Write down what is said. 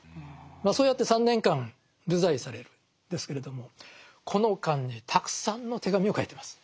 そうやって３年間流罪されるんですけれどもこの間にたくさんの手紙を書いてます。